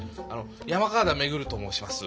山川田恵留と申します。